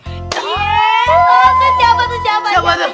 oh siapa tuh siapa